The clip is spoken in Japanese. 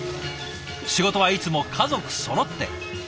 仕事はいつも家族そろって。